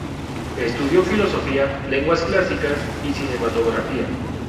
Estudió Filosofía, Lenguas Clásicas y Cinematografía.